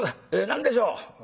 何でしょう？」。